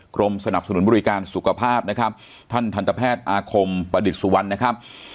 กรมสนับสนุนบริการสุขภาพนะครับท่านทันตแพทย์อาคมประดิษฐ์สุวรรณนะครับ